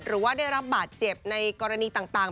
หรือว่าได้รับบาดเจ็บในกรณีต่าง